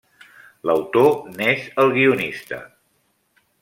L'autor n'és el guionista.